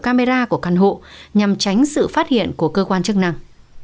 camera của căn hộ nhằm tránh sự phát hiện của cơ quan chức năng